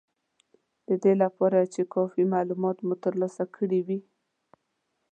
د دې لپاره چې کافي مالومات مو ترلاسه کړي وي